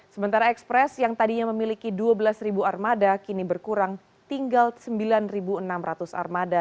sementara ekspres yang tadinya memiliki dua belas armada kini berkurang tinggal sembilan enam ratus armada